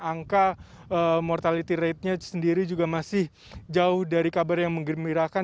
angka mortality ratenya sendiri juga masih jauh dari kabar yang mengembirakan